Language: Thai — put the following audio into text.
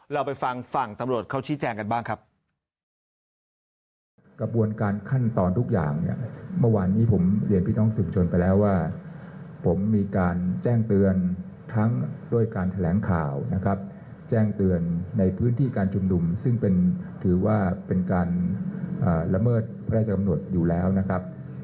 เราไปฟังฝั่งตำรวจเขาชี้แจงกันบ้างครับ